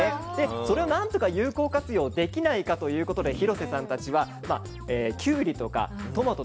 それを何とか有効活用できないかということで廣瀬さんたちはキュウリとかトマトとかいろいろ試しました。